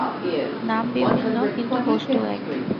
নাম বিভিন্ন, কিন্তু বস্তু এক।